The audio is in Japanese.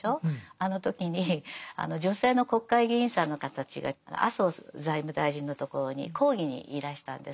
あの時に女性の国会議員さんの方たちが麻生財務大臣のところに抗議にいらしたんです。